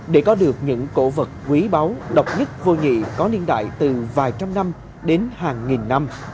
để có được những cổ vật quý báu độc nhất vô nhị có niên đại từ vài trăm năm đến hàng nghìn năm